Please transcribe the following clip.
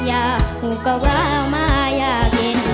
ยากหูก็ว้าวมายากกิน